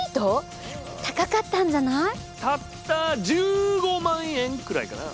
たった１５万円くらいかな。